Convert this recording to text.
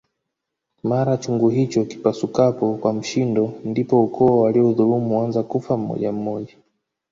Mara chungu hicho kipasukapo kwa mshindo ndipo ukoo wa waliodhulumu huanza kufa mmoja mmoja